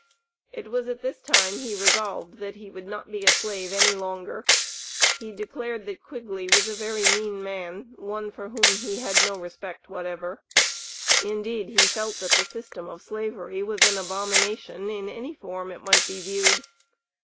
It was at this time he resolved that he would not be a slave any longer. He declared that Quigley was a "very mean man," one for whom he had no respect whatever. Indeed he felt that the system of Slavery was an abomination in any form it might be viewed.